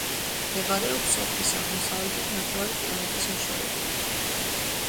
მდებარეობს სოფლის აღმოსავლეთით ნახევარი კილომეტრის მოშორებით.